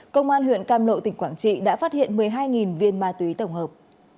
công an huyện cam lộ tỉnh quảng trị đã phát hiện một mươi hai viên ma túy tổng hợp